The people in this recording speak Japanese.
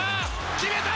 決めた！